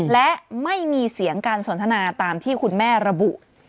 และไม่มีเสียงการสนทนาตามที่คุณแม่ระบุ